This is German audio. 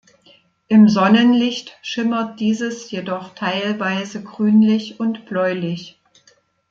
Im Sonnenlicht schimmert dieses jedoch teilweise grünlich und bläulich.